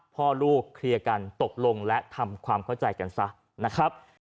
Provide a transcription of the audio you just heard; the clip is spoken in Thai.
พ่อลูกเคลียร์กันตกลงและทำความเข้าใจกันซะนะครับ